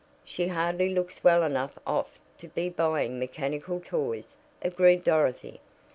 "She hardly looks well enough off to be buying mechanical toys," agreed Dorothy.